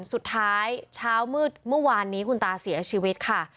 เช้ามืดเมื่อวานนี้คุณตาเสียชีวิตค่ะ